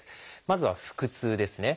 まずは「腹痛」ですね。